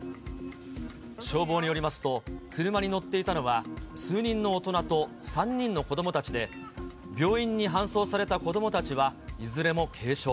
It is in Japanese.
消防によりますと、車に乗っていたのは数人の大人と３人の子どもたちで、病院に搬送された子どもたちはいずれも軽傷。